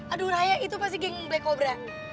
aduh raya itu pasti geng black kobra